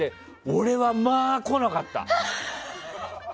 俺は、まあ来なかった。